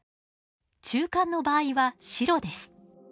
中間の場合は白です。